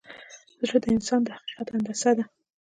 زړه د انسان د حقیقت هندسه ده.